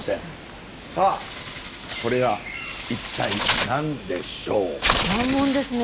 これは一体何でしょう？